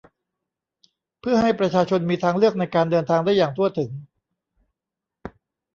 เพื่อให้ประชาชนมีทางเลือกในการเดินทางได้อย่างทั่วถึง